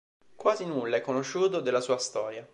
Quasi nulla è conosciuto della sua storia.